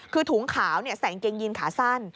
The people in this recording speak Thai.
คือถุงขาวใส่กางเกงยีนขาสั้น